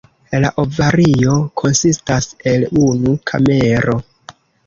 La ovario konsistas el unu kamero.